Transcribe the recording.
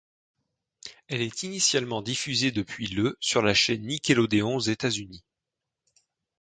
Elle est initialement diffusée depuis le sur la chaîne Nickelodeon aux États-Unis.